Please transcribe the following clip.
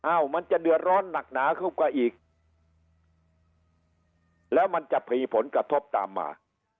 มันจะเดือดร้อนหนักหนาเข้าไปอีกแล้วมันจะมีผลกระทบตามมา